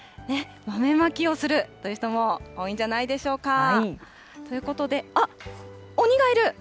豆まきをするという人も多いんじゃないでしょうか。ということで、あっ、鬼がいる！